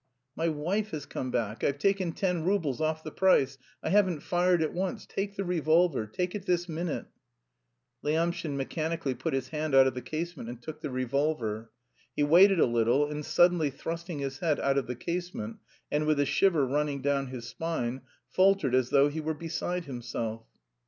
"My wife has come back. I've taken ten roubles off the price, I haven't fired it once; take the revolver, take it this minute!" Lyamshin mechanically put his hand out of the casement and took the revolver; he waited a little, and suddenly thrusting his head out of the casement, and with a shiver running down his spine, faltered as though he were beside himself.